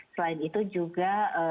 selain itu juga